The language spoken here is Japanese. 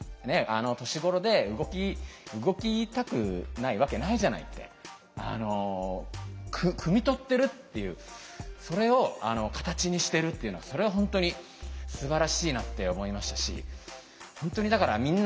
あの年頃で動きたくないわけないじゃないってくみ取ってるっていうそれを形にしてるっていうのはそれは本当にすばらしいなって思いましたし本当にだからうん。